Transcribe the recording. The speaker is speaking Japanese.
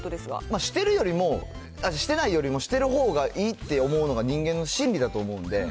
してるよりも、してないよりもしてるほうがいいって思うのが人間の心理だと思うんで。